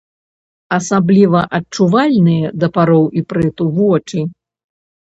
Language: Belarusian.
Асабліва адчувальныя да пароў іпрыту вочы.